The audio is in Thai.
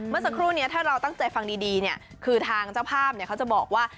เมื่อสักครู่นี้ถ้าเราตั้งใจฟังดีเนี่ยคือทางเจ้าภาพเขาจะบอกว่า